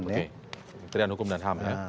mungkin kementerian hukum dan ham ya